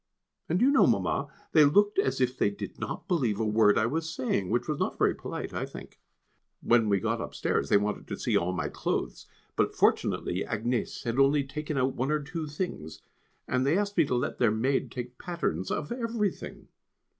And do you know, Mamma, they looked as if they did not believe a word I was saying; which was not very polite I think. When we got upstairs they wanted to see all my clothes, but fortunately Agnès had only taken out one or two things, and they asked me to let their maid take patterns of everything.